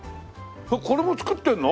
これも作ってんの？